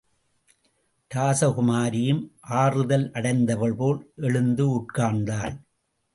ராசகுமாரியும், ஆறுதலடைந்தவள் போல் எழுந்து உட்கார்ந்தாள்.